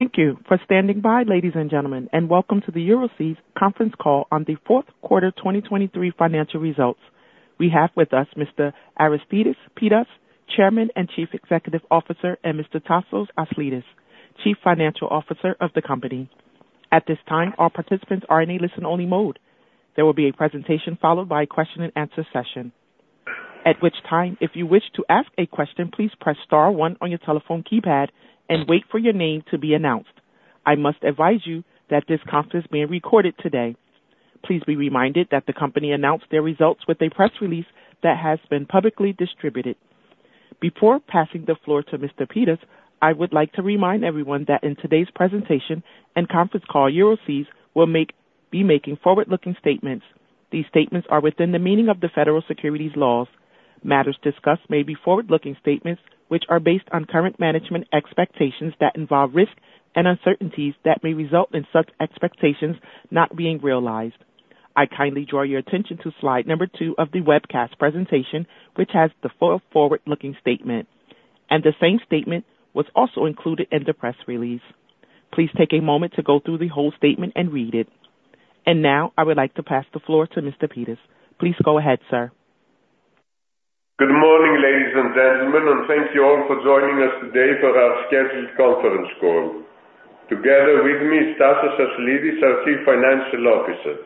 Thank you for standing by, ladies and gentlemen, and welcome to the Euroseas conference call on the fourth quarter 2023 financial results. We have with us Mr. Aristides Pittas, Chairman and Chief Executive Officer, and Mr. Tasos Aslidis, Chief Financial Officer of the company. At this time, our participants are in a listen-only mode. There will be a presentation followed by a question-and-answer session. At which time, if you wish to ask a question, please press star one on your telephone keypad and wait for your name to be announced. I must advise you that this conference is being recorded today. Please be reminded that the company announced their results with a press release that has been publicly distributed. Before passing the floor to Mr. Pittas, I would like to remind everyone that in today's presentation and conference call, Euroseas will be making forward-looking statements. These statements are within the meaning of the federal securities laws. Matters discussed may be forward-looking statements which are based on current management expectations that involve risk and uncertainties that may result in such expectations not being realized. I kindly draw your attention to Slide 2 of the webcast presentation, which has the forward-looking statement, and the same statement was also included in the press release. Please take a moment to go through the whole statement and read it. Now I would like to pass the floor to Mr. Pittas. Please go ahead, sir. Good morning, ladies and gentlemen, and thank you all for joining us today for our scheduled conference call. Together with me, Tasos Aslidis is our Chief Financial Officer.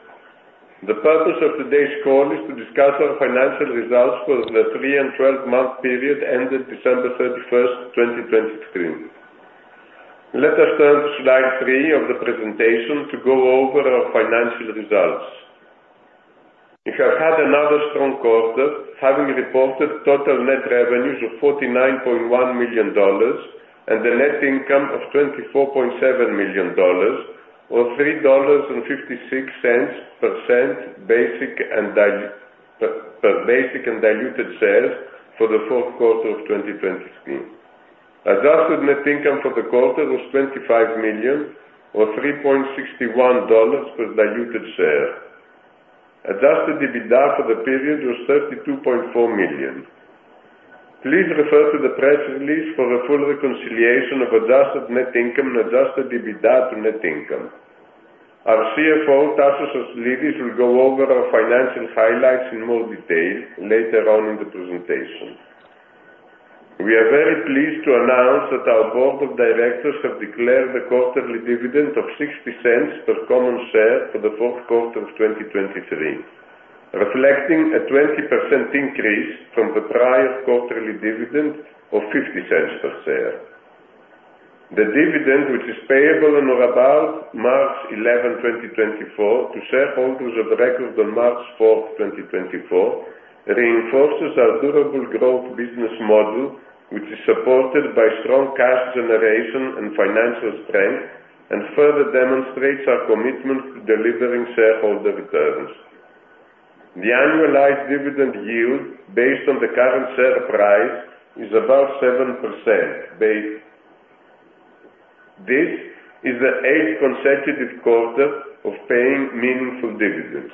The purpose of today's call is to discuss our financial results for the 3 and 12-month period ended December 31st, 2023. Let us turn to Slide 3 of the presentation to go over our financial results. We have had another strong quarter, having reported total net revenues of $49.1 million and a net income of $24.7 million, or $3.56 per share for basic and diluted shares for the fourth quarter of 2023. Adjusted net income for the quarter was $25 million, or $3.61 per diluted share. Adjusted EBITDA for the period was $32.4 million. Please refer to the press release for a full reconciliation of adjusted net income and adjusted EBITDA to net income. Our CFO, Tasos Aslidis, will go over our financial highlights in more detail later on in the presentation. We are very pleased to announce that our board of directors have declared a quarterly dividend of $0.60 per common share for the fourth quarter of 2023, reflecting a 20% increase from the prior quarterly dividend of $0.50 per share. The dividend, which is payable on or about March 11, 2024, to shareholders of record on March 4th, 2024, reinforces our durable growth business model, which is supported by strong cash generation and financial strength, and further demonstrates our commitment to delivering shareholder returns. The annualized dividend yield, based on the current share price, is about 7%. This is the eighth consecutive quarter of paying meaningful dividends.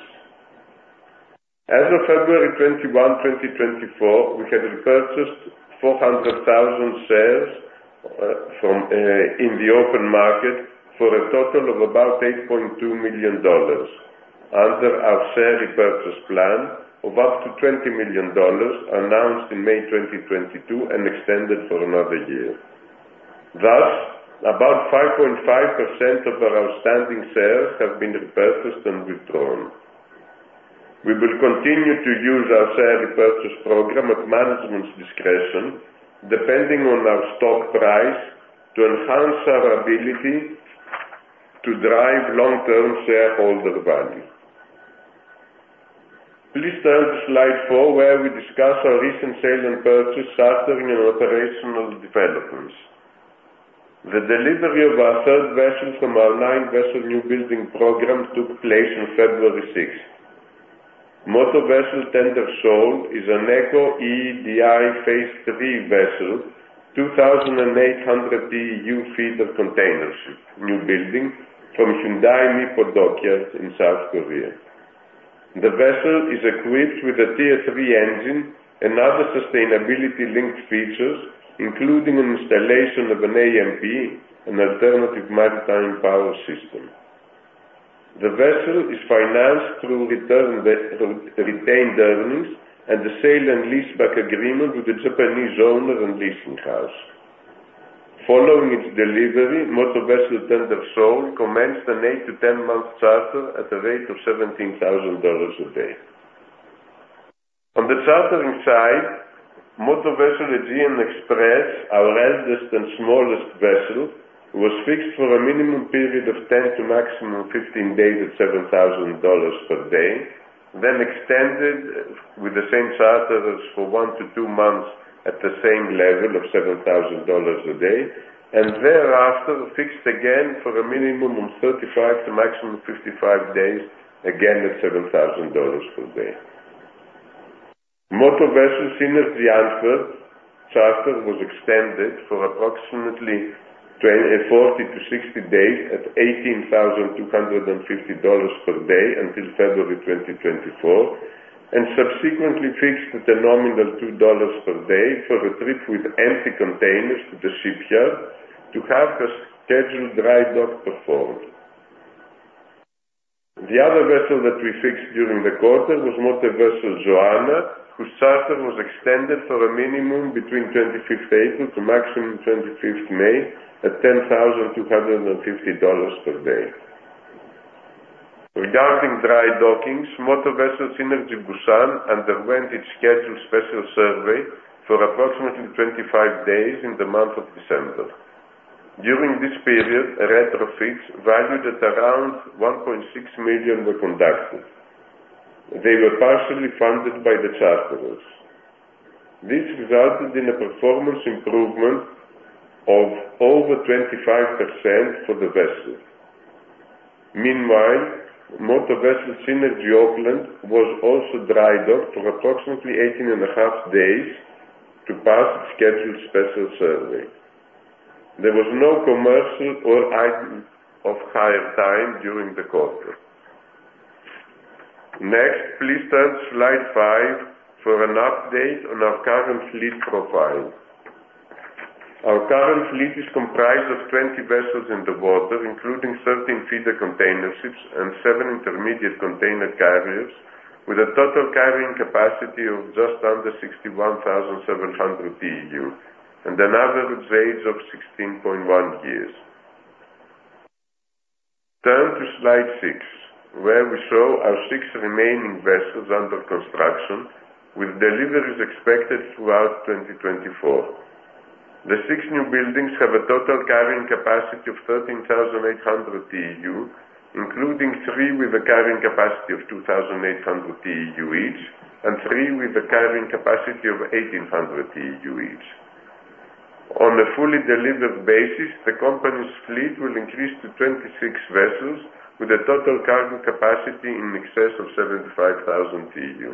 As of February 21, 2024, we had repurchased 400,000 shares in the open market for a total of about $8.2 million under our share repurchase plan of up to $20 million announced in May 2022 and extended for another year. Thus, about 5.5% of our outstanding shares have been repurchased and withdrawn. We will continue to use our share repurchase program at management's discretion, depending on our stock price, to enhance our ability to drive long-term shareholder value. Please turn to Slide 4, where we discuss our recent sales and purchases after new operational developments. The delivery of our third vessel from our nine-vessel newbuilding program took place on February 6th. Motor Vessel Tender Soul is an ECO EEDI Phase III vessel, 2,800 TEU container ship, newbuilding, from HD Hyundai Mipo in South Korea. The vessel is equipped with a Tier III engine and other sustainability-linked features, including an installation of an AMP, an alternative maritime power system. The vessel is financed through retained earnings and a sale and leaseback agreement with the Japanese owner and leasing house. Following its delivery, Motor Vessel Tender Soul commenced an 8-10-month charter at a rate of $17,000 a day. On the chartering side, Motor Vessel Aegean Express, our eldest and smallest vessel, was fixed for a minimum period of 10 to maximum 15 days at $7,000 per day, then extended with the same charters for 1-2 months at the same level of $7,000 a day, and thereafter fixed again for a minimum of 35 to maximum 55 days, again at $7,000 per day. Motor Vessel Synergy Antwerp charter was extended for approximately 40-60 days at $18,250 per day until February 2024, and subsequently fixed at a nominal $2 per day for a trip with empty containers to the shipyard to have a scheduled dry dock performed. The other vessel that we fixed during the quarter was Motor Vessel Joanna, whose charter was extended for a minimum between 25th April to maximum 25th May at $10,250 per day. Regarding dry dockings, Motor Vessel Synergy Busan underwent its scheduled special survey for approximately 25 days in the month of December. During this period, retrofits valued at around $1.6 million were conducted. They were partially funded by the charterers. This resulted in a performance improvement of over 25% for the vessel. Meanwhile, Motor Vessel Synergy Oakland was also dry docked for approximately 18.5 days to pass its scheduled special survey. There was no commercial or technical off-hire time during the quarter. Next, please turn to Slide 5 for an update on our current fleet profile. Our current fleet is comprised of 20 vessels in the water, including 13 feeder container ships and 7 intermediate container carriers, with a total carrying capacity of just under 61,700 TEU and an average age of 16.1 years. Turn to Slide 6, where we show our 6 remaining vessels under construction, with deliveries expected throughout 2024. The 6 new buildings have a total carrying capacity of 13,800 TEU, including 3 with a carrying capacity of 2,800 TEU each and 3 with a carrying capacity of 1,800 TEU each. On a fully delivered basis, the company's fleet will increase to 26 vessels, with a total cargo capacity in excess of 75,000 TEU.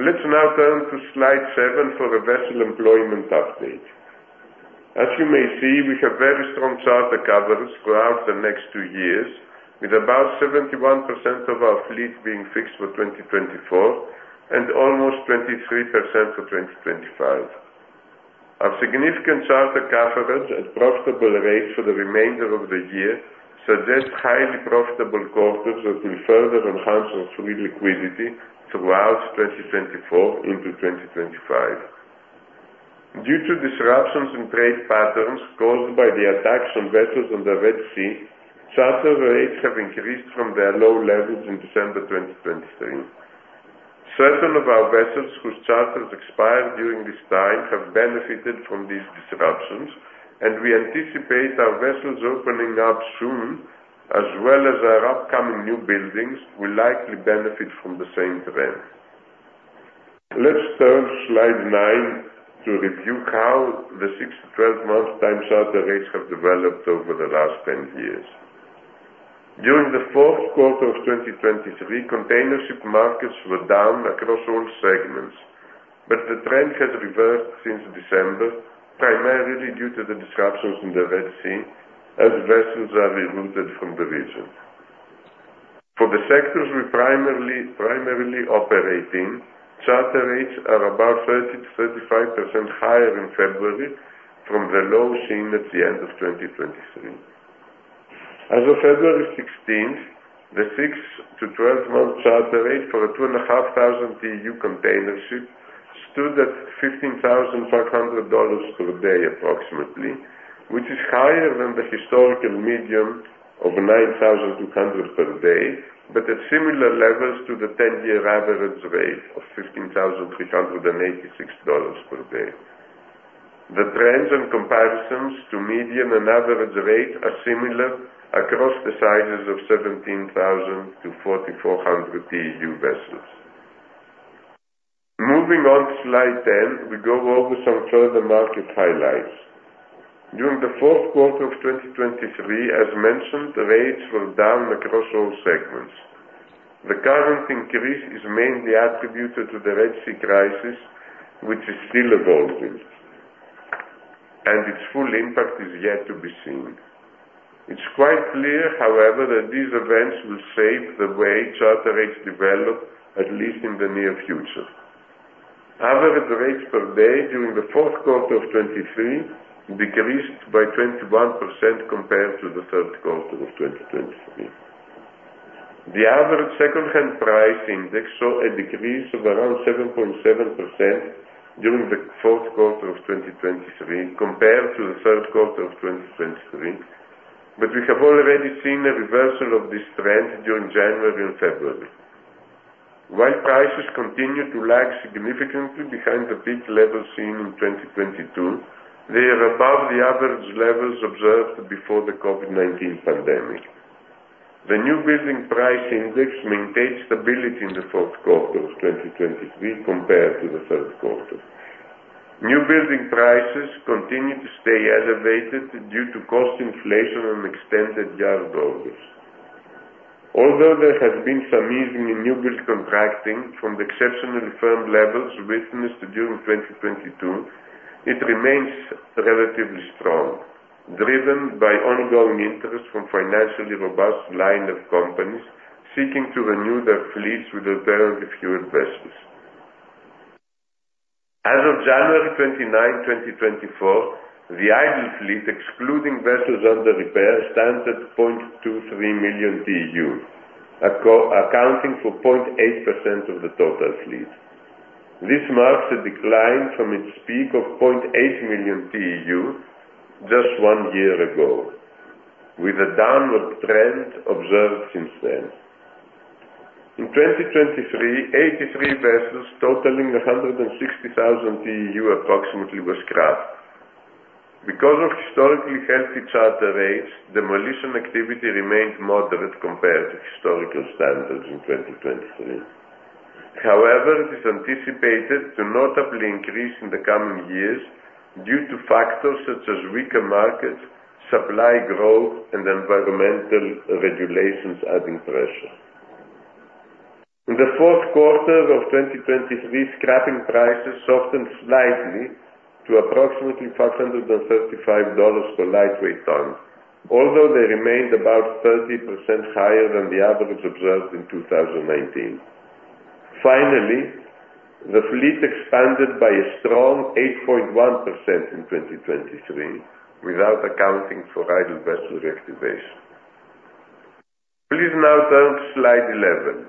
Let's now turn to Slide 7 for a vessel employment update. As you may see, we have very strong charter coverage throughout the next two years, with about 71% of our fleet being fixed for 2024 and almost 23% for 2025. Our significant charter coverage at profitable rates for the remainder of the year suggests highly profitable quarters that will further enhance our free liquidity throughout 2024 into 2025. Due to disruptions in trade patterns caused by the attacks on vessels in the Red Sea, charter rates have increased from their low levels in December 2023. Certain of our vessels whose charters expired during this time have benefited from these disruptions, and we anticipate our vessels opening up soon, as well as our upcoming new buildings, will likely benefit from the same trend. Let's turn to Slide 9 to review how the 6-12 month time charter rates have developed over the last 10 years. During the fourth quarter of 2023, container ship markets were down across all segments, but the trend has reversed since December, primarily due to the disruptions in the Red Sea as vessels are rerouted from the region. For the sectors we primarily operate in, charter rates are about 30%-35% higher in February from the lows seen at the end of 2023. As of February 16th, the 6-12 month charter rate for a 2,500-TEU container ship stood at $15,500 per day, approximately, which is higher than the historical median of $9,200 per day, but at similar levels to the 10-year average rate of $15,386 per day. The trends and comparisons to median and average rate are similar across the sizes of 17,000- 4,400 TEU vessels. Moving on to Slide 10, we go over some further market highlights. During the fourth quarter of 2023, as mentioned, rates were down across all segments. The current increase is mainly attributed to the Red Sea crisis, which is still evolving, and its full impact is yet to be seen. It's quite clear, however, that these events will shape the way charter rates develop, at least in the near future. Average rates per day during the fourth quarter of 2023 decreased by 21% compared to the third quarter of 2023. The average second-hand price index saw a decrease of around 7.7% during the fourth quarter of 2023 compared to the third quarter of 2023, but we have already seen a reversal of this trend during January and February. While prices continue to lag significantly behind the peak levels seen in 2022, they are above the average levels observed before the COVID-19 pandemic. The newbuilding price index maintained stability in the fourth quarter of 2023 compared to the third quarter. Newbuilding prices continue to stay elevated due to cost inflation and extended yard orders. Although there has been some easing in newbuild contracting from the exceptionally firm levels witnessed during 2022, it remains relatively strong, driven by ongoing interest from financially robust line of companies seeking to renew their fleets with relatively fewer vessels. As of January 29, 2024, the idle fleet, excluding vessels under repair, stands at 0.23 million TEU, accounting for 0.8% of the total fleet. This marks a decline from its peak of 0.8 million TEU just one year ago, with a downward trend observed since then. In 2023, 83 vessels totaling 160,000 TEU approximately were scrapped. Because of historically healthy charter rates, demolition activity remained moderate compared to historical standards in 2023. However, it is anticipated to notably increase in the coming years due to factors such as weaker markets, supply growth, and environmental regulations adding pressure. In the fourth quarter of 2023, scrapping prices softened slightly to approximately $535 per lightweight tonne, although they remained about 30% higher than the average observed in 2019. Finally, the fleet expanded by a strong 8.1% in 2023, without accounting for idle vessel reactivation. Please now turn to Slide 11.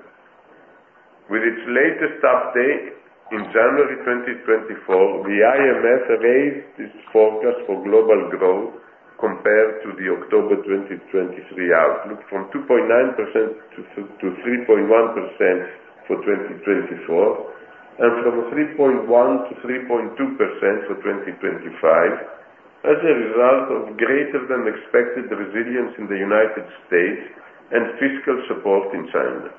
With its latest update in January 2024, the IMF raised its forecast for global growth compared to the October 2023 outlook from 2.9% to 3.1% for 2024 and from 3.1% to 3.2% for 2025 as a result of greater than expected resilience in the United States and fiscal support in China.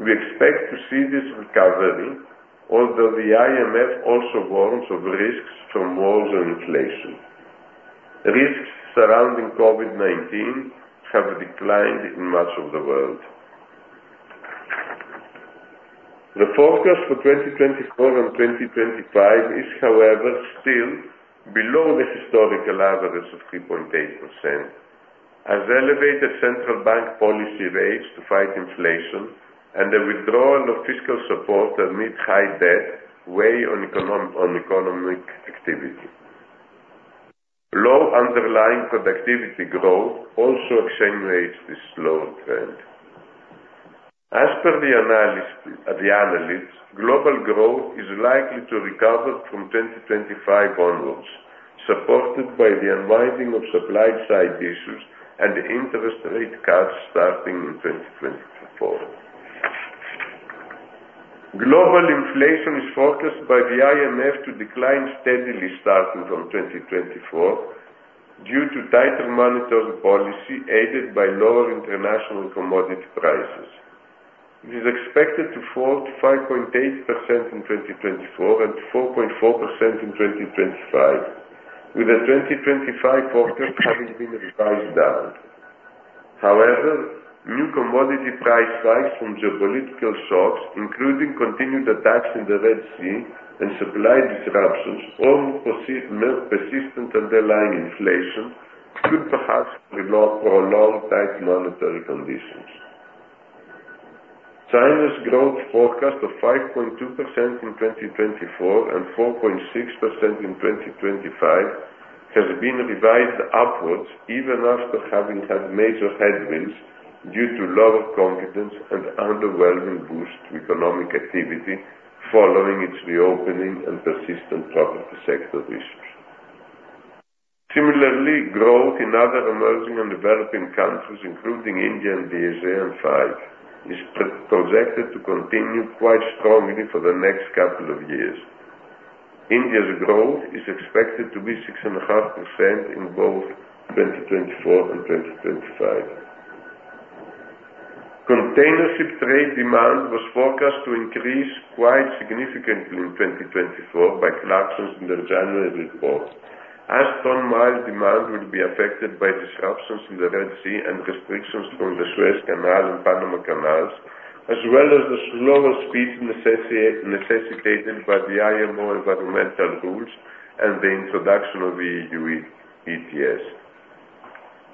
We expect to see this recovery, although the IMF also warns of risks from wars and inflation. Risks surrounding COVID-19 have declined in much of the world. The forecast for 2024 and 2025 is, however, still below the historical average of 3.8%, as elevated central bank policy rates to fight inflation and the withdrawal of fiscal support amid high debt weigh on economic activity. Low underlying productivity growth also accentuates this slow trend. As per the analysts, global growth is likely to recover from 2025 onwards, supported by the unwinding of supply-side issues and interest rate cuts starting in 2024. Global inflation is forecast by the IMF to decline steadily starting from 2024 due to tighter monetary policy aided by lower international commodity prices. It is expected to fall to 5.8% in 2024 and 4.4% in 2025, with the 2025 forecast having been revised down. However, new commodity price spikes from geopolitical shocks, including continued attacks in the Red Sea and supply disruptions, or persistent underlying inflation could perhaps prolong tight monetary conditions. China's growth forecast of 5.2% in 2024 and 4.6% in 2025 has been revised upwards even after having had major headwinds due to lower confidence and underwhelming boost to economic activity following its reopening and persistent property sector issues. Similarly, growth in other emerging and developing countries, including India and the ASEAN 5, is projected to continue quite strongly for the next couple of years. India's growth is expected to be 6.5% in both 2024 and 2025. Container ship trade demand was forecast to increase quite significantly in 2024 by Clarksons in their January report, as tonnage demand will be affected by disruptions in the Red Sea and restrictions from the Suez Canal and Panama Canal, as well as the slower speeds necessitated by the IMO environmental rules and the introduction of the EU ETS.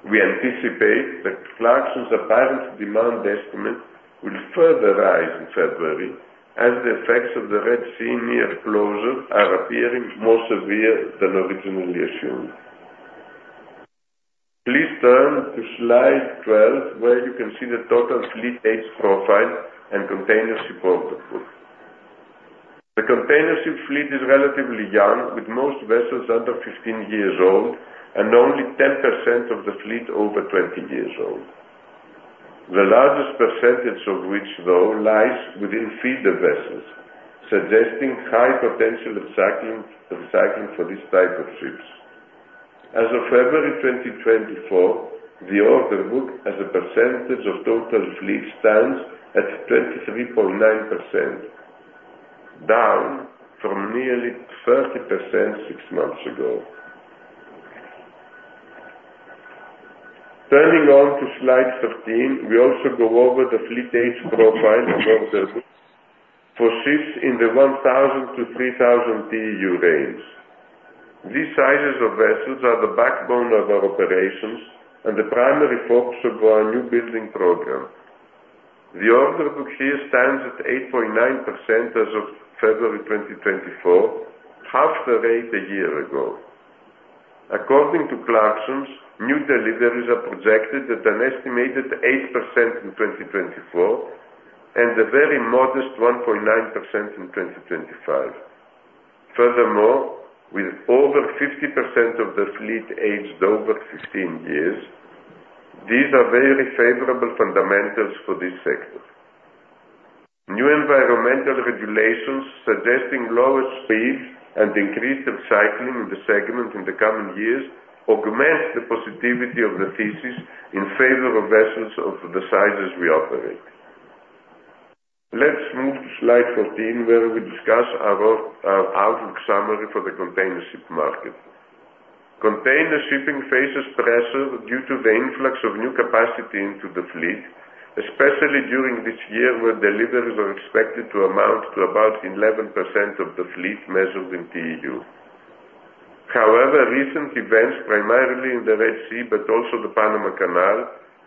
We anticipate that Clarksons' apparent demand estimate will further rise in February as the effects of the Red Sea near closure are appearing more severe than originally assumed. Please turn to Slide 12, where you can see the total fleet age profile and container ship order books. The container ship fleet is relatively young, with most vessels under 15 years old and only 10% of the fleet over 20 years old. The largest percentage of which, though, lies within feeder vessels, suggesting high potential recycling for this type of ships. As of February 2024, the order book as a percentage of total fleet stands at 23.9%, down from nearly 30% six months ago. Turning to Slide 13, we also go over the fleet age profile and order books for ships in the 1,000-3,000 TEU range. These sizes of vessels are the backbone of our operations and the primary focus of our newbuilding program. The order book here stands at 8.9% as of February 2024, half the rate a year ago. According to Clarksons, new deliveries are projected at an estimated 8% in 2024 and a very modest 1.9% in 2025. Furthermore, with over 50% of the fleet aged over 15 years, these are very favorable fundamentals for this sector. New environmental regulations suggesting lower speeds and increased recycling in the segment in the coming years augments the positivity of the thesis in favor of vessels of the sizes we operate. Let's move to Slide 14, where we discuss our outlook summary for the container ship market. Container shipping faces pressure due to the influx of new capacity into the fleet, especially during this year where deliveries are expected to amount to about 11% of the fleet measured in TEU. However, recent events, primarily in the Red Sea but also the Panama Canal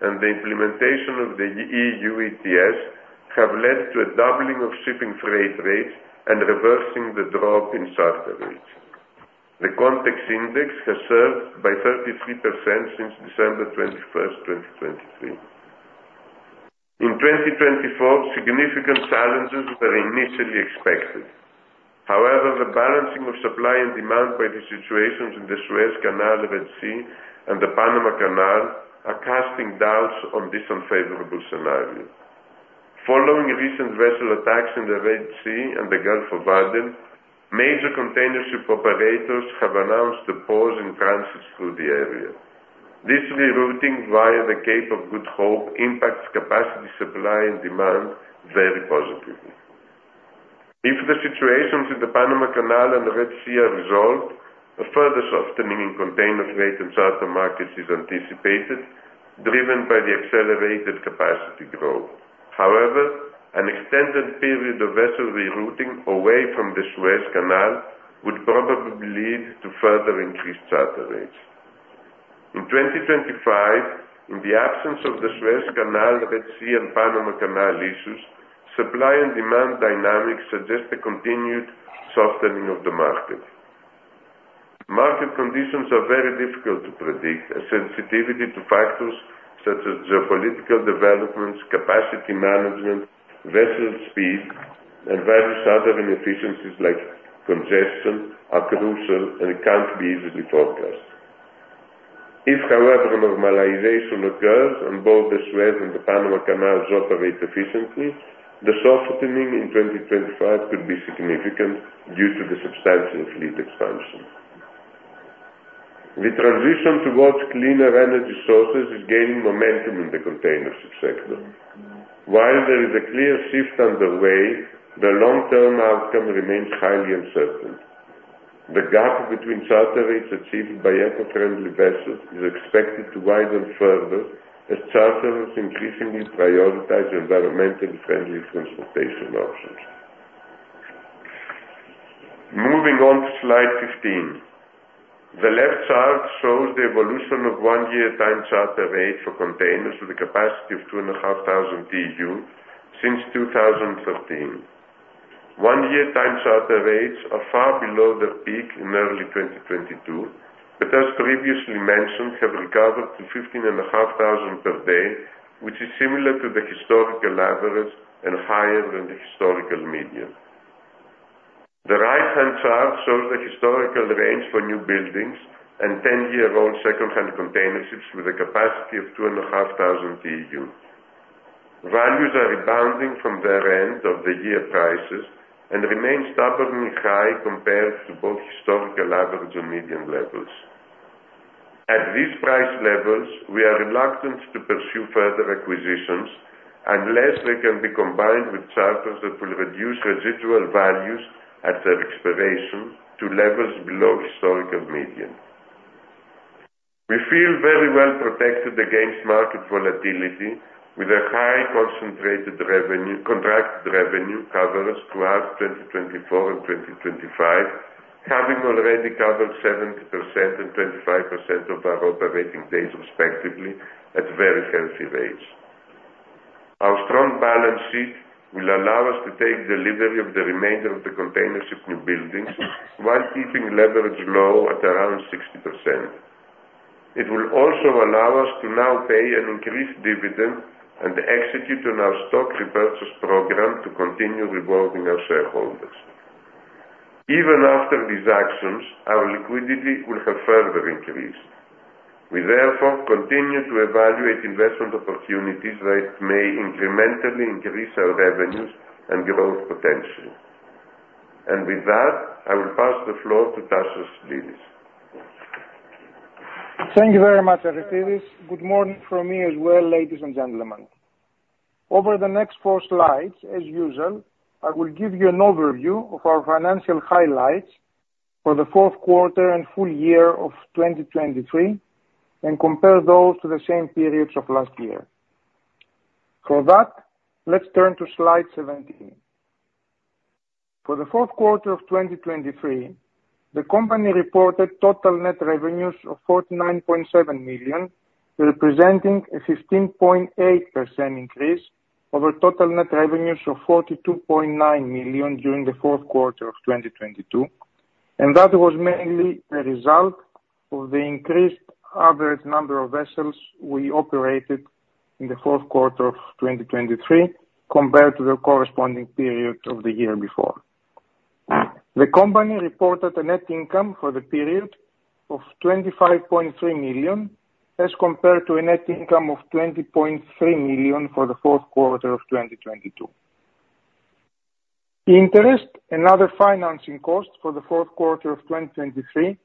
and the implementation of the EU ETS, have led to a doubling of shipping freight rates and reversing the drop in charter rates. The container index has surged by 33% since December 21st, 2023. In 2024, significant challenges were initially expected. However, the balancing of supply and demand by the situations in the Suez Canal, Red Sea, and the Panama Canal are casting doubts on this unfavorable scenario. Following recent vessel attacks in the Red Sea and the Gulf of Aden, major container ship operators have announced a pause in transits through the area. This rerouting via the Cape of Good Hope impacts capacity supply and demand very positively. If the situations in the Panama Canal and the Red Sea are resolved, a further softening in container freight and charter markets is anticipated, driven by the accelerated capacity growth. However, an extended period of vessel rerouting away from the Suez Canal would probably lead to further increased charter rates. In 2025, in the absence of the Suez Canal, Red Sea, and Panama Canal issues, supply and demand dynamics suggest a continued softening of the market. Market conditions are very difficult to predict, as sensitivity to factors such as geopolitical developments, capacity management, vessel speed, and various other inefficiencies like congestion are crucial and can't be easily forecast. If, however, normalization occurs and both the Suez and the Panama Canals operate efficiently, the softening in 2025 could be significant due to the substantial fleet expansion. The transition towards cleaner energy sources is gaining momentum in the container ship sector. While there is a clear shift underway, the long-term outcome remains highly uncertain. The gap between charter rates achieved by eco-friendly vessels is expected to widen further as charterers increasingly prioritize environmentally friendly transportation options. Moving on to Slide 15. The left chart shows the evolution of one-year time charter rates for containers with a capacity of 2,500 TEU since 2013. One-year time charter rates are far below their peak in early 2022, but as previously mentioned, have recovered to $15,500 per day, which is similar to the historical average and higher than the historical median. The right-hand chart shows the historical range for new buildings and 10-year-old second-hand container ships with a capacity of 2,500 TEU. Values are rebounding from their end of the year prices and remain stubbornly high compared to both historical average and median levels. At these price levels, we are reluctant to pursue further acquisitions unless they can be combined with charters that will reduce residual values at their expiration to levels below historical median. We feel very well protected against market volatility with a high concentrated contracted revenue coverage throughout 2024 and 2025, having already covered 70% and 25% of our operating days, respectively, at very healthy rates. Our strong balance sheet will allow us to take delivery of the remainder of the container ship newbuildings while keeping leverage low at around 60%. It will also allow us to now pay an increased dividend and execute on our stock repurchase program to continue rewarding our shareholders. Even after these actions, our liquidity will have further increased. We, therefore, continue to evaluate investment opportunities that may incrementally increase our revenues and growth potential. With that, I will pass the floor to Tasos Aslidis. Thank you very much, Aristides. Good morning from me as well, ladies and gentlemen. Over the next four slides, as usual, I will give you an overview of our financial highlights for the fourth quarter and full year of 2023 and compare those to the same periods of last year. For that, let's turn to Slide 17. For the fourth quarter of 2023, the company reported total net revenues of $49.7 million, representing a 15.8% increase over total net revenues of $42.9 million during the fourth quarter of 2022. That was mainly the result of the increased average number of vessels we operated in the fourth quarter of 2023 compared to the corresponding period of the year before. The company reported a net income for the period of $25.3 million as compared to a net income of $20.3 million for the fourth quarter of 2022. Interest, another financing cost for the fourth quarter of 2023,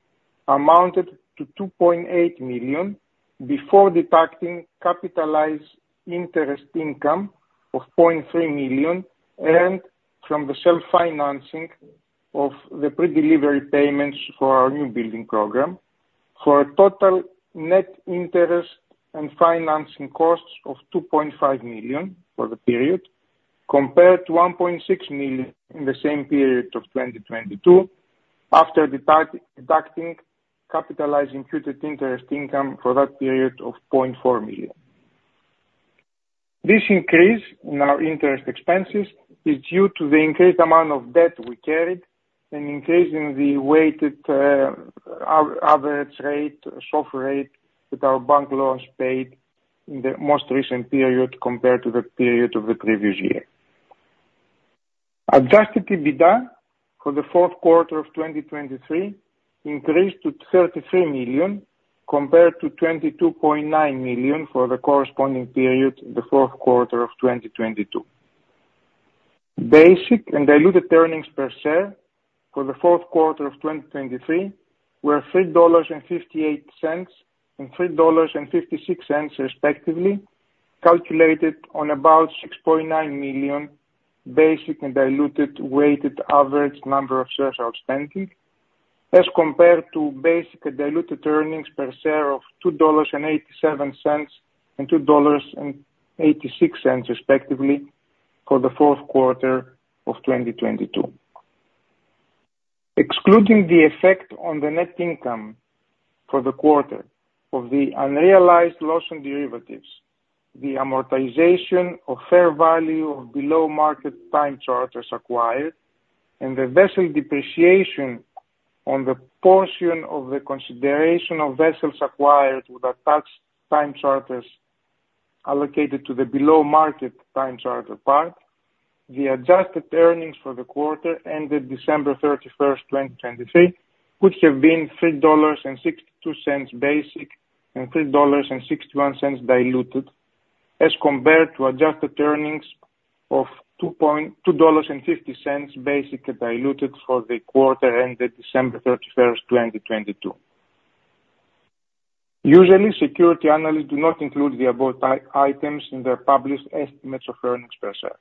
amounted to $2.8 million before deducting capitalized interest income of $0.3 million earned from the self-financing of the pre-delivery payments for our newbuilding program for a total net interest and financing costs of $2.5 million for the period compared to $1.6 million in the same period of 2022 after deducting capitalized imputed interest income for that period of $0.4 million. This increase in our interest expenses is due to the increased amount of debt we carried and increasing the weighted average rate, SOFR rate that our bank loans paid in the most recent period compared to the period of the previous year. Adjusted EBITDA for the fourth quarter of 2023 increased to $33 million compared to $22.9 million for the corresponding period, the fourth quarter of 2022. Basic and diluted earnings per share for the fourth quarter of 2023 were $3.58 and $3.56, respectively, calculated on about 6.9 million basic and diluted weighted average number of shares outstanding as compared to basic and diluted earnings per share of $2.87 and $2.86, respectively, for the fourth quarter of 2022. Excluding the effect on the net income for the quarter of the unrealized loss and derivatives, the amortization of fair value of below-market time charters acquired, and the vessel depreciation on the portion of the consideration of vessels acquired with attached time charters allocated to the below-market time charter part, the adjusted earnings for the quarter ended December 31st, 2023, would have been $3.62 basic and $3.61 diluted as compared to adjusted earnings of $2.50 basic and diluted for the quarter ended December 31st, 2022. Usually, security analysts do not include the above items in their published estimates of earnings per share.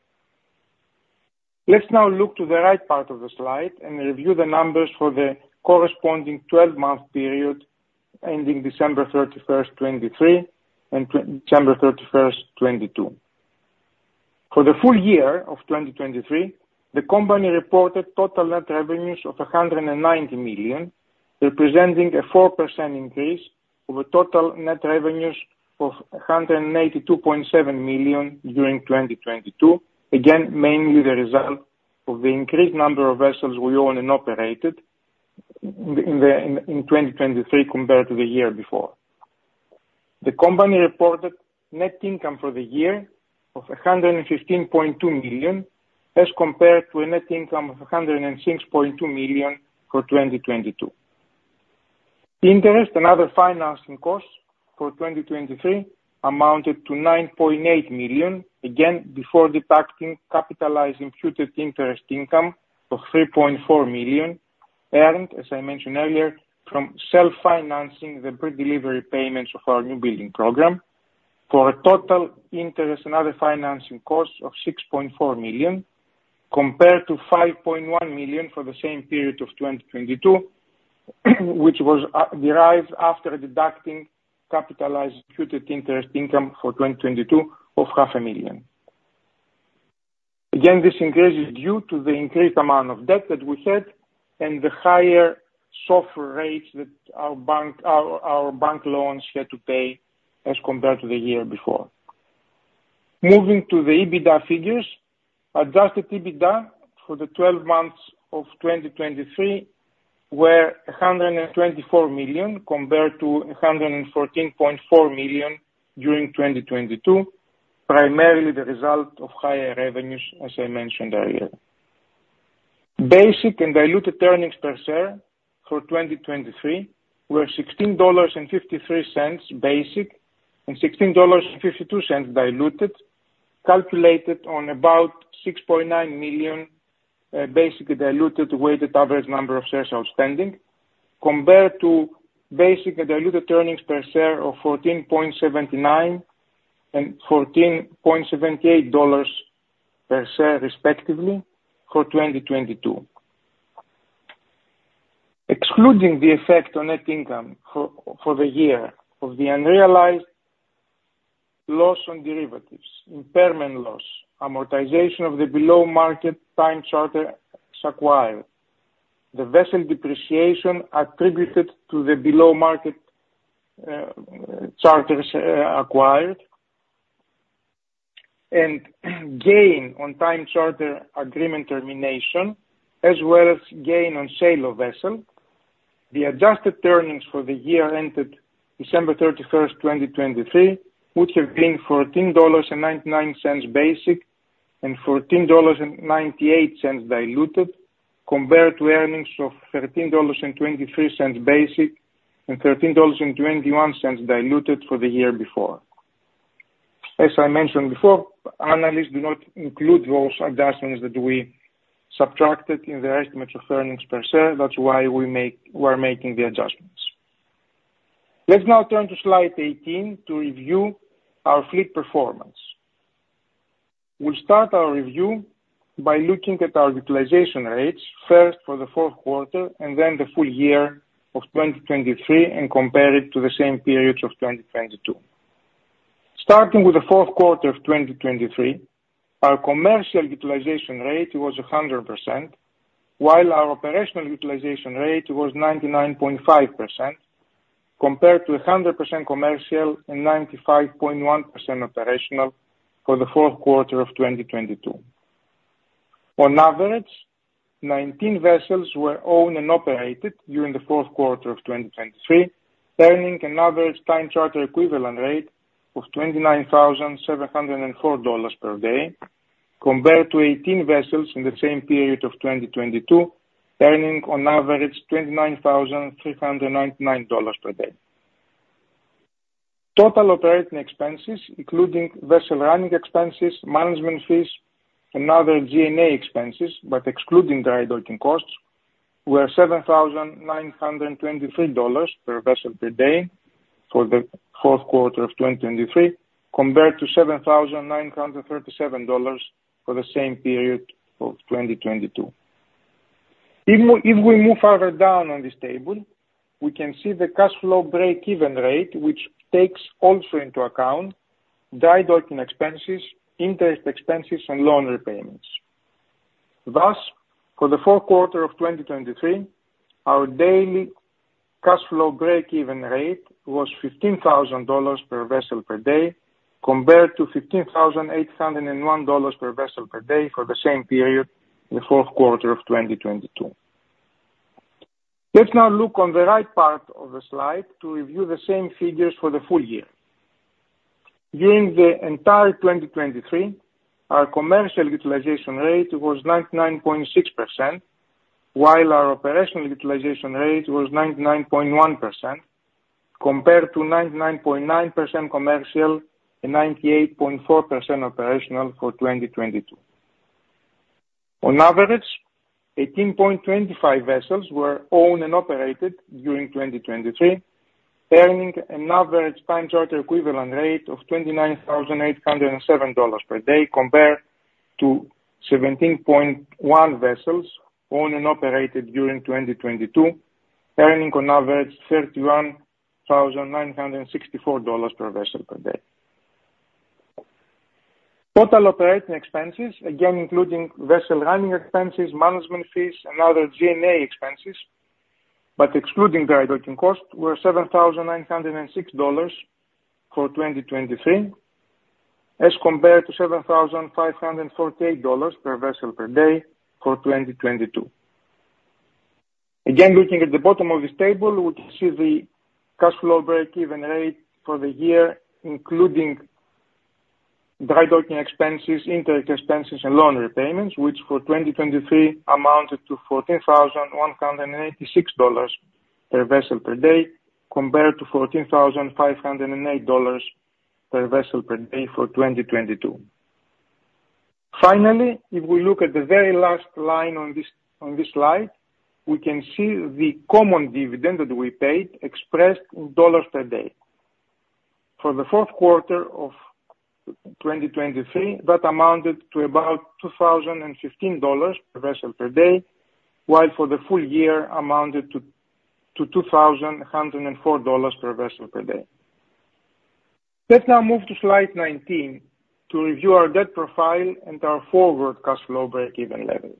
Let's now look to the right part of the slide and review the numbers for the corresponding 12-month period ending December 31st, 2023, and December 31st, 2022. For the full year of 2023, the company reported total net revenues of $190 million, representing a 4% increase over total net revenues of $182.7 million during 2022, again, mainly the result of the increased number of vessels we own and operated in 2023 compared to the year before. The company reported net income for the year of $115.2 million as compared to a net income of $106.2 million for 2022. Interest, another financing cost for 2023, amounted to $9.8 million, again, before deducting capitalized imputed interest income of $3.4 million earned, as I mentioned earlier, from self-financing the pre-delivery payments of our newbuilding program for a total interest and other financing costs of $6.4 million compared to $5.1 million for the same period of 2022, which was derived after deducting capitalized imputed interest income for 2022 of $0.5 million. Again, this increase is due to the increased amount of debt that we had and the higher SOFR rates that our bank loans had to pay as compared to the year before. Moving to the EBITDA figures, Adjusted EBITDA for the 12 months of 2023 were $124 million compared to $114.4 million during 2022, primarily the result of higher revenues, as I mentioned earlier. Basic and diluted earnings per share for 2023 were $16.53 basic and $16.52 diluted, calculated on about 6.9 million basic and diluted weighted average number of shares outstanding compared to basic and diluted earnings per share of $14.79 and $14.78 per share, respectively, for 2022. Excluding the effect on net income for the year of the unrealized loss and derivatives, impairment loss, amortization of the below-market time charters acquired, the vessel depreciation attributed to the below-market charters acquired, and gain on time charter agreement termination, as well as gain on sale of vessel, the adjusted earnings for the year ended December 31st, 2023, would have been $14.99 basic and $14.98 diluted compared to earnings of $13.23 basic and $13.21 diluted for the year before. As I mentioned before, analysts do not include those adjustments that we subtracted in their estimates of earnings per share. That's why we are making the adjustments. Let's now turn to Slide 18 to review our fleet performance. We'll start our review by looking at our utilization rates first for the fourth quarter and then the full year of 2023 and compare it to the same periods of 2022. Starting with the fourth quarter of 2023, our commercial utilization rate was 100%, while our operational utilization rate was 99.5% compared to 100% commercial and 95.1% operational for the fourth quarter of 2022. On average, 19 vessels were owned and operated during the fourth quarter of 2023, earning an average time charter equivalent rate of $29,704 per day compared to 18 vessels in the same period of 2022, earning on average $29,399 per day. Total operating expenses, including vessel running expenses, management fees, and other G&A expenses, but excluding the drydocking costs, were $7,923 per vessel per day for the fourth quarter of 2023 compared to $7,937 for the same period of 2022. If we move further down on this table, we can see the cash flow break-even rate, which takes also into account drydocking expenses, interest expenses, and loan repayments. Thus, for the fourth quarter of 2023, our daily cash flow break-even rate was $15,000 per vessel per day compared to $15,801 per vessel per day for the same period in the fourth quarter of 2022. Let's now look on the right part of the slide to review the same figures for the full year. During the entire 2023, our commercial utilization rate was 99.6%, while our operational utilization rate was 99.1% compared to 99.9% commercial and 98.4% operational for 2022. On average, 18.25 vessels were owned and operated during 2023, earning an average time charter equivalent rate of $29,807 per day compared to 17.1 vessels owned and operated during 2022, earning on average $31,964 per vessel per day. Total operating expenses, again, including vessel running expenses, management fees, and other G&A expenses, but excluding the drydocking cost, were $7,906 for 2023 as compared to $7,548 per vessel per day for 2022. Again, looking at the bottom of this table, we can see the cash flow break-even rate for the year, including drydocking expenses, interest expenses, and loan repayments, which for 2023 amounted to $14,186 per vessel per day compared to $14,508 per vessel per day for 2022. Finally, if we look at the very last line on this slide, we can see the common dividend that we paid expressed in dollars per day. For the fourth quarter of 2023, that amounted to about $2,015 per vessel per day, while for the full year, amounted to $2,104 per vessel per day. Let's now move to Slide 19 to review our debt profile and our forward cash flow break-even level.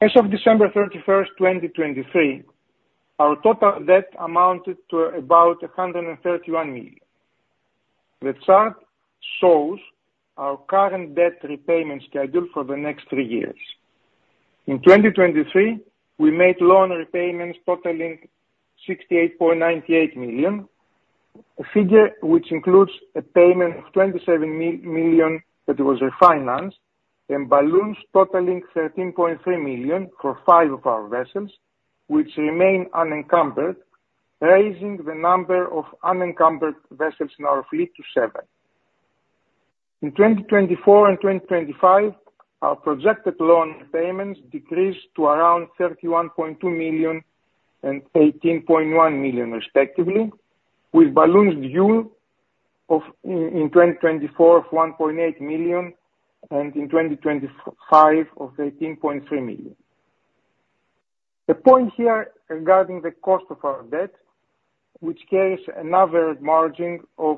As of December 31st, 2023, our total debt amounted to about $131 million. The chart shows our current debt repayment schedule for the next three years. In 2023, we made loan repayments totaling $68.98 million, a figure which includes a payment of $27 million that was refinanced and balloons totaling $13.3 million for five of our vessels, which remain unencumbered, raising the number of unencumbered vessels in our fleet to seven. In 2024 and 2025, our projected loan payments decreased to around $31.2 million and $18.1 million, respectively, with balloons due in 2024 of $1.8 million and in 2025 of $18.3 million. The point here regarding the cost of our debt, which carries an average margin of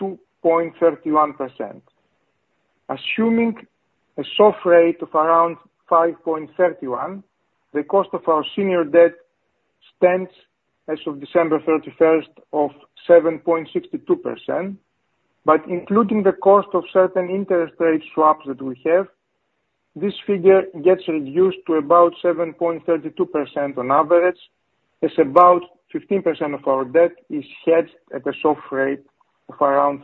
2.31%. Assuming a SOFR of around 5.31, the cost of our senior debt stands as of December 31st of 7.62%, but including the cost of certain interest rate swaps that we have, this figure gets reduced to about 7.32% on average as about 15% of our debt is hedged at a SOFR of around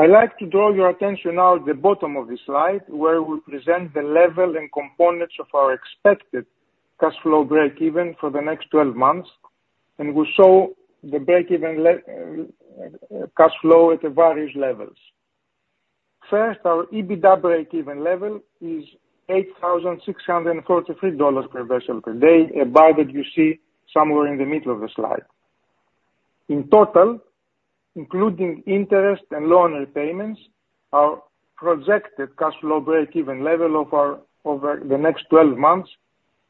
3.4%. I'd like to draw your attention now at the bottom of this slide where we present the level and components of our expected cash flow break-even for the next 12 months, and we'll show the break-even cash flow at various levels. First, our EBITDA break-even level is $8,643 per vessel per day, a bar that you see somewhere in the middle of the slide. In total, including interest and loan repayments, our projected cash flow break-even level over the next 12 months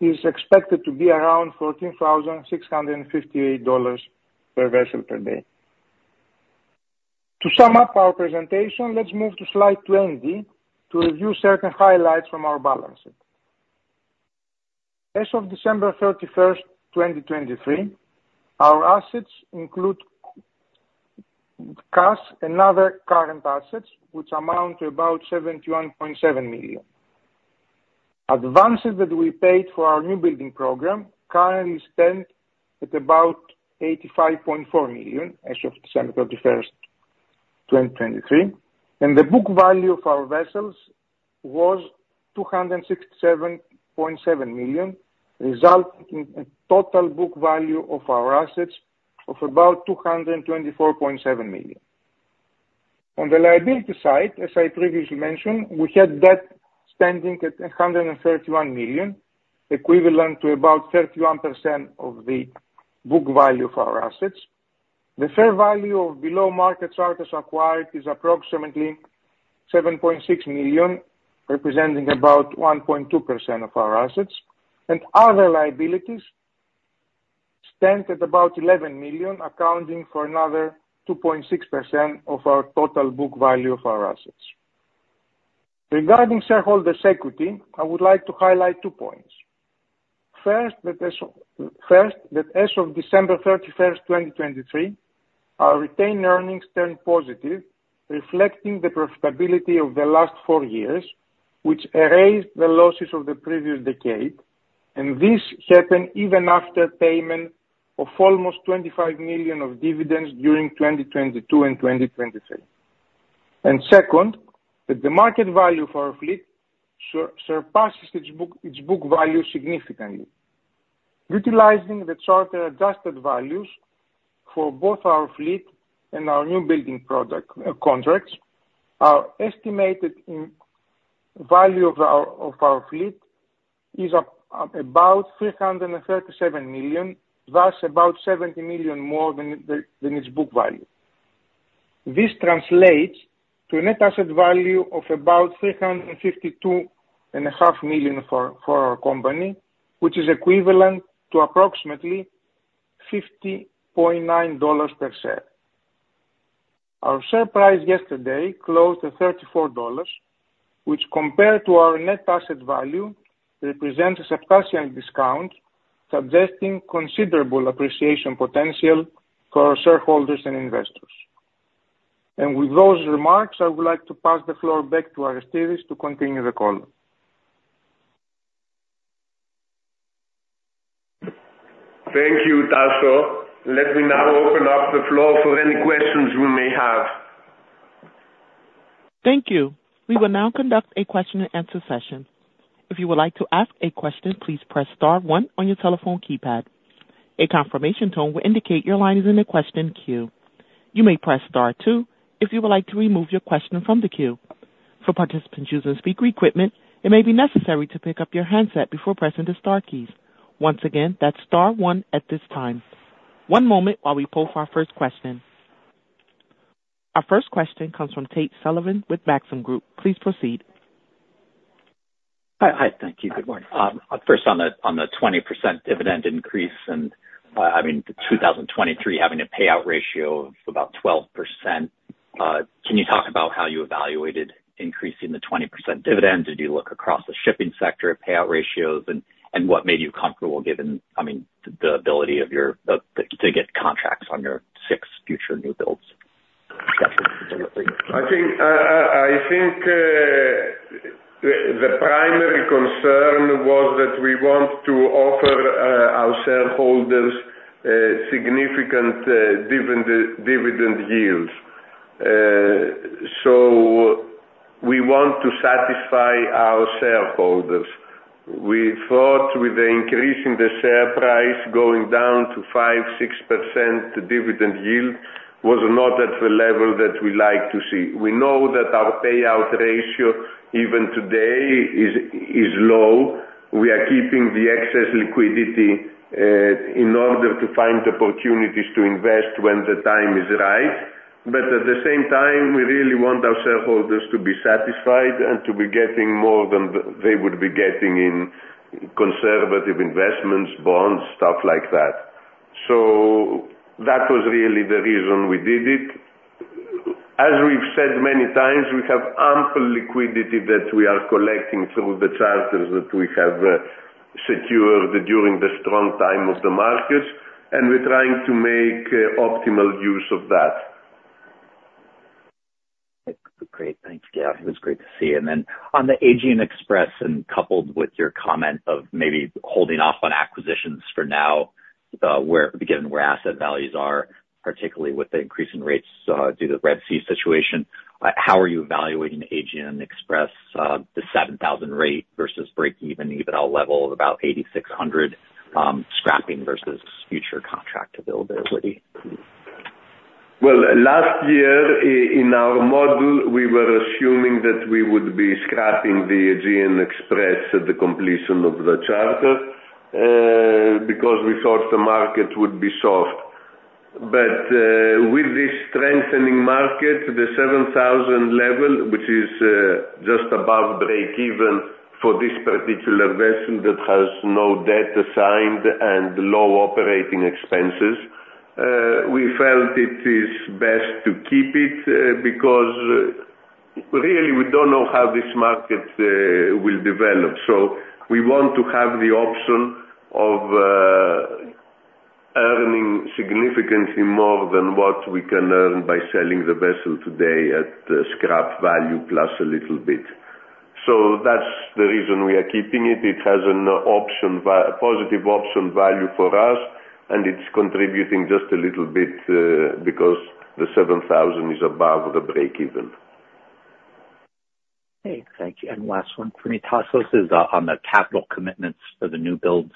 is expected to be around $14,658 per vessel per day. To sum up our presentation, let's move to Slide 20 to review certain highlights from our balance sheet. As of December 31st, 2023, our assets include cash and other current assets, which amount to about $71.7 million. Advances that we paid for our newbuilding program currently stand at about $85.4 million as of December 31st, 2023, and the book value of our vessels was $267.7 million, resulting in a total book value of our assets of about $224.7 million. On the liability side, as I previously mentioned, we had debt standing at $131 million, equivalent to about 31% of the book value of our assets. The fair value of below-market charters acquired is approximately $7.6 million, representing about 1.2% of our assets, and other liabilities stand at about $11 million, accounting for another 2.6% of our total book value of our assets. Regarding shareholders' equity, I would like to highlight two points. First, that as of December 31st, 2023, our retained earnings turned positive, reflecting the profitability of the last four years, which erased the losses of the previous decade, and this happened even after payment of almost $25 million of dividends during 2022 and 2023. And second, that the market value of our fleet surpasses its book value significantly. Utilizing the charter adjusted values for both our fleet and our new building contracts, our estimated value of our fleet is about $337 million, thus about $70 million more than its book value. This translates to a net asset value of about $352.5 million for our company, which is equivalent to approximately $50.9 per share. Our share price yesterday closed at $34, which compared to our net asset value represents a substantial discount, suggesting considerable appreciation potential for our shareholders and investors. With those remarks, I would like to pass the floor back to Aristides to continue the call. Thank you, Tasos. Let me now open up the floor for any questions we may have. Thank you. We will now conduct a question-and-answer session. If you would like to ask a question, please press star one on your telephone keypad. A confirmation tone will indicate your line is in the question queue. You may press star two if you would like to remove your question from the queue. For participants using speaker equipment, it may be necessary to pick up your handset before pressing the star keys. Once again, that's star one at this time. One moment while we pull for our first question. Our first question comes from Tate Sullivan with Maxim Group. Please proceed. Hi. Thank you. Good morning. First, on the 20% dividend increase and, I mean, 2023 having a payout ratio of about 12%, can you talk about how you evaluated increasing the 20% dividend? Did you look across the shipping sector at payout ratios, and what made you comfortable given, I mean, the ability to get contracts on your six future new builds? I think the primary concern was that we want to offer our shareholders significant dividend yields. So we want to satisfy our shareholders. We thought with the increase in the share price going down to 5%-6% dividend yield was not at the level that we like to see. We know that our payout ratio even today is low. We are keeping the excess liquidity in order to find opportunities to invest when the time is right. But at the same time, we really want our shareholders to be satisfied and to be getting more than they would be getting in conservative investments, bonds, stuff like that. So that was really the reason we did it. As we've said many times, we have ample liquidity that we are collecting through the charters that we have secured during the strong time of the markets, and we're trying to make optimal use of that. Great. Thanks, [guys]. It was great to see. And then on the Aegean Express and coupled with your comment of maybe holding off on acquisitions for now given where asset values are, particularly with the increase in rates due to the Red Sea situation, how are you evaluating Aegean Express, the $7,000 rate versus break-even EBITDA level of about $8,600, scrapping versus future contractability? Well, last year in our model, we were assuming that we would be scrapping the Aegean Express at the completion of the charter because we thought the market would be soft. But with this strengthening market, the $7,000 level, which is just above break-even for this particular vessel that has no debt assigned and low operating expenses, we felt it is best to keep it because really, we don't know how this market will develop. So we want to have the option of earning significantly more than what we can earn by selling the vessel today at scrap value plus a little bit. So that's the reason we are keeping it. It has a positive option value for us, and it's contributing just a little bit because the $7,000 is above the break-even. Okay. Thank you. And last one for me Tasos is on the capital commitments for the new builds,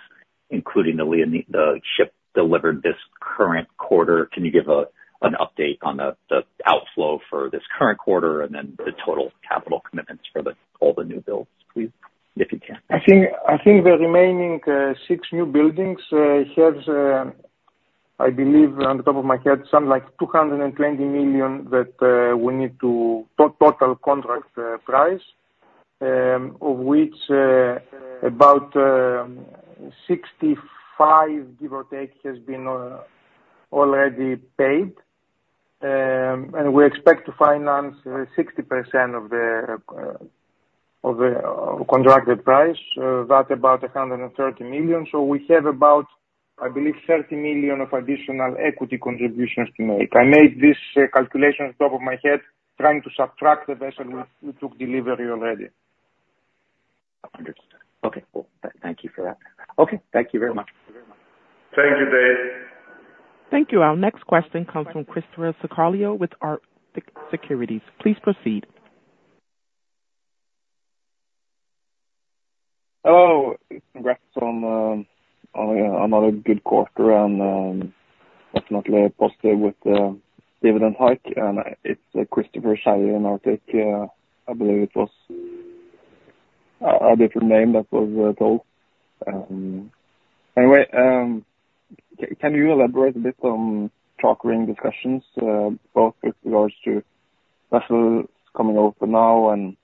including the ship delivered this current quarter. Can you give an update on the outflow for this current quarter and then the total capital commitments for all the new builds, please, if you can? I think the remaining six newbuildings has, I believe, on the top of my head, some like $220 million that we need to total contract price, of which about $65 million, give or take, has been already paid. And we expect to finance 60% of the contracted price, that about $130 million. So we have about, I believe, $30 million of additional equity contributions to make. I made this calculation on the top of my head trying to subtract the vessel we took delivery already. Okay. Cool. Thank you for that. Okay. Thank you very much. Thank you, Tate. Thank you. Our next question comes from Kristoffer Skeie with Arctic Securities. Please proceed. Oh, congrats on another good quarter and definitely positive with the dividend hike. And it's Kristoffer Skeie in Arctic, I believe it was a different name that was told. Anyway, can you elaborate a bit on chartering discussions, both with regards to vessels coming open now and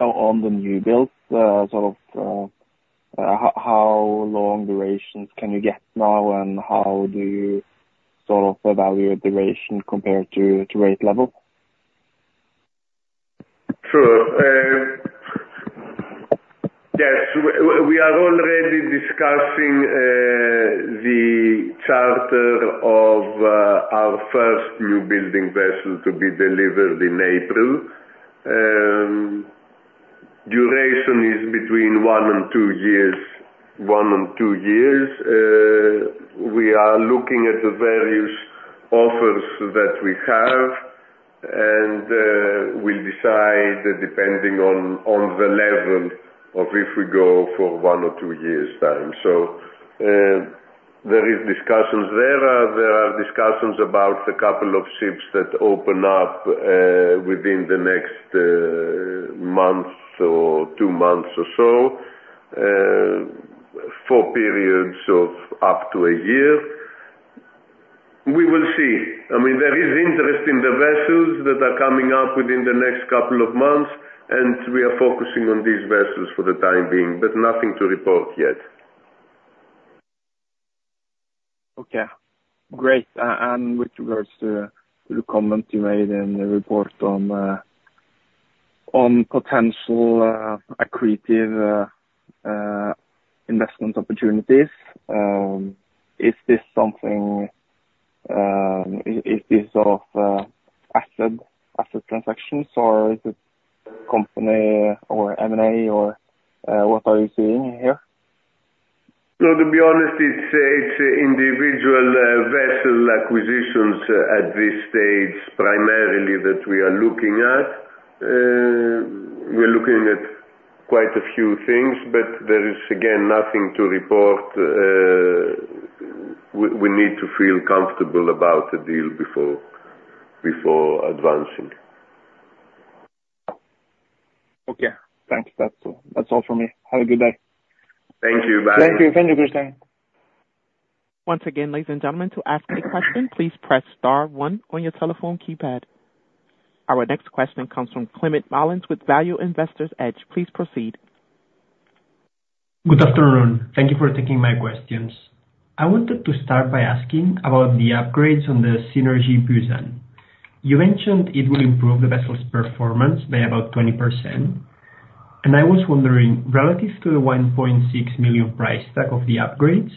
on the new builds, sort of how long durations can you get now, and how do you sort of evaluate duration compared to rate level? Sure. Yes. We are already discussing the charter of our first newbuilding vessel to be delivered in April. Duration is between one and two years. One and two years. We are looking at the various offers that we have and will decide depending on the level of if we go for one or two years' time. So there are discussions there. There are discussions about a couple of ships that open up within the next month or two months or so for periods of up to a year. We will see. I mean, there is interest in the vessels that are coming up within the next couple of months, and we are focusing on these vessels for the time being, but nothing to report yet. Okay. Great. And with regards to the comment you made in the report on potential accretive investment opportunities, is this something sort of asset transactions, or is it company or M&A, or what are you seeing here? No, to be honest, it's individual vessel acquisitions at this stage primarily that we are looking at. We're looking at quite a few things, but there is, again, nothing to report. We need to feel comfortable about the deal before advancing. Okay. Thanks. That's all from me. Have a good day. Thank you. Bye. Thank you. Thank you [for yur time]. Once again, ladies and gentlemen, to ask any question, please press star one on your telephone keypad. Our next question comes from Climent Molins with Value Investor's Edge. Please proceed. Good afternoon. Thank you for taking my questions. I wanted to start by asking about the upgrades on the Synergy Busan. You mentioned it will improve the vessel's performance by about 20%. I was wondering, relative to the $1.6 million price tag of the upgrades,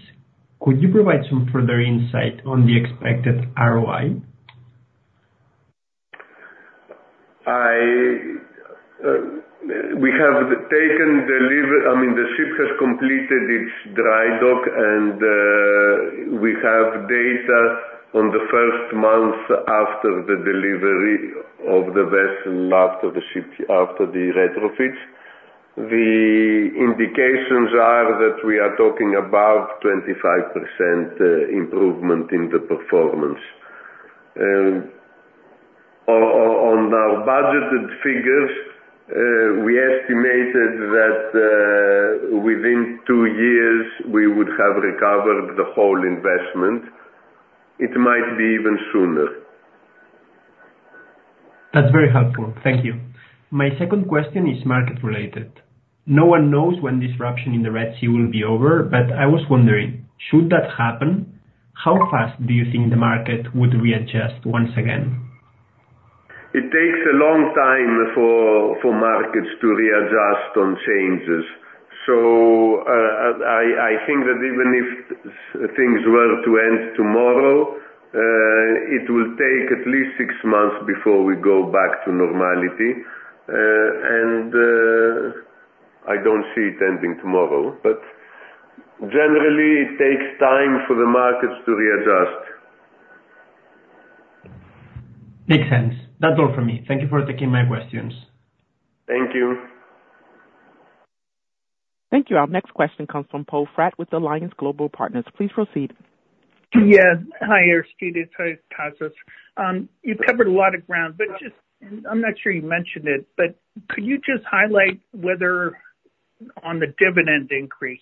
could you provide some further insight on the expected ROI? We have taken delivery I mean, the ship has completed its dry dock, and we have data on the first month after the delivery of the vessel and after the ship after the retrofit. The indications are that we are talking about 25% improvement in the performance. On our budgeted figures, we estimated that within two years, we would have recovered the whole investment. It might be even sooner. That's very helpful. Thank you. My second question is market-related. No one knows when disruption in the Red Sea will be over, but I was wondering, should that happen, how fast do you think the market would readjust once again? It takes a long time for markets to readjust on changes. So I think that even if things were to end tomorrow, it will take at least six months before we go back to normality. And I don't see it ending tomorrow, but generally, it takes time for the markets to readjust. Makes sense. That's all from me. Thank you for taking my questions. Thank you. Thank you. Our next question comes from Poe Fratt with Alliance Global Partners. Please proceed. Yes. Hi, Aristides. Hi, Tasos. You've covered a lot of ground, but just, I'm not sure you mentioned it, but could you just highlight whether on the dividend increase,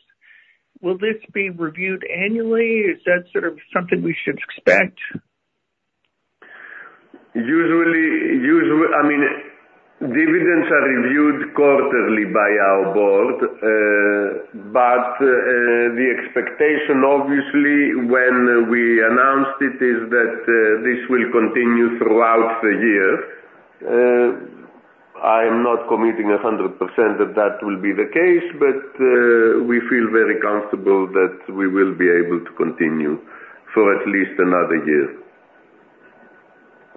will this be reviewed annually? Is that sort of something we should expect? I mean, dividends are reviewed quarterly by our board, but the expectation, obviously, when we announced it is that this will continue throughout the year. I am not committing 100% that that will be the case, but we feel very comfortable that we will be able to continue for at least another year.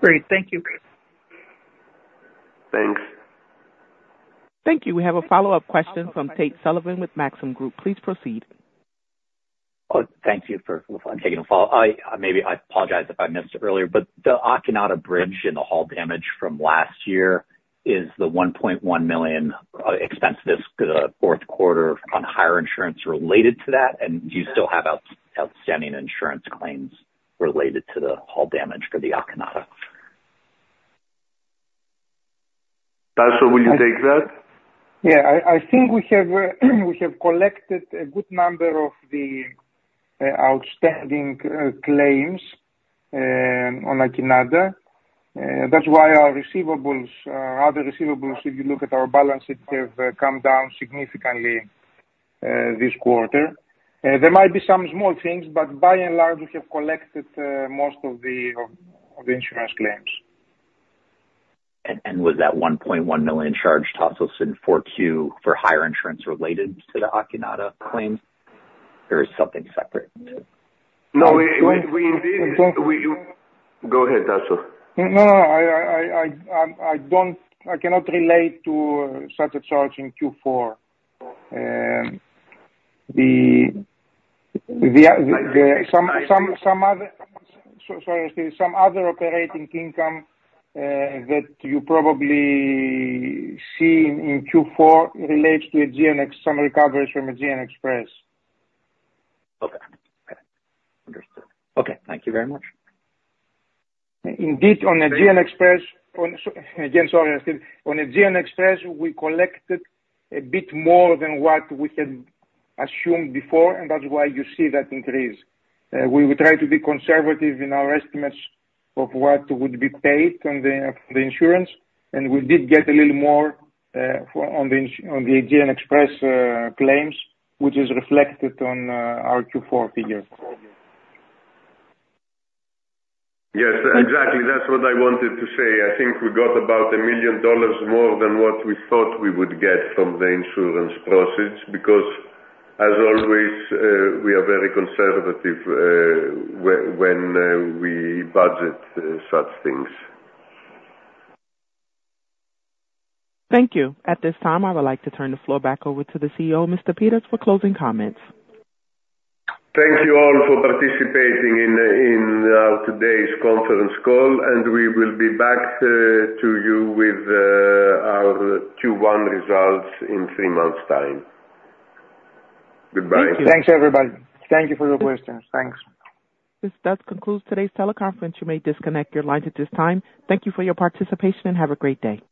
Great. Thank you. Thanks. Thank you. We have a follow-up question from Tate Sullivan with Maxim Group. Please proceed. Oh, thank you for taking the call. May I apologize if I missed it earlier, but the Akinada Bridge and the hull damage from last year is the $1.1 million expense this fourth quarter on hire insurance related to that. And do you still have outstanding insurance claims related to the hull damage for the Akinada? Tasos, will you take that? Yeah. I think we have collected a good number of the outstanding claims on Akinada. That's why our receivables, other receivables, if you look at our balance sheet, have come down significantly this quarter. There might be some small things, but by and large, we have collected most of the insurance claims. Was that $1.1 million charged, Tasos, in 4Q for hire insurance related to the Akinada claims, or is something separate? No, we indeed go ahead, Tasos. No, no, no. I cannot relate to such a charge in Q4. Some other—sorry, Aristides. Some other operating income that you probably see in Q4 relates to some recoveries from Aegean Express. Okay. Understood. Okay. Thank you very much. Indeed, on Aegean Express again, sorry, Aristides. On Aegean Express, we collected a bit more than what we had assumed before, and that's why you see that increase. We would try to be conservative in our estimates of what would be paid from the insurance, and we did get a little more on the Aegean Express claims, which is reflected on our Q4 figure. Yes. Exactly. That's what I wanted to say. I think we got about $1 million more than what we thought we would get from the insurance process because, as always, we are very conservative when we budget such things. Thank you. At this time, I would like to turn the floor back over to the CEO, Mr. Pittas, for closing comments. Thank you all for participating in today's conference call, and we will be back to you with our Q1 results in three months' time. Goodbye. Thank you. Thanks, everybody. Thank you for your questions. Thanks. That concludes today's teleconference. You may disconnect your lines at this time. Thank you for your participation, and have a great day.